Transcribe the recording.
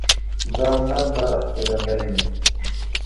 دا نه به اخرنی وي.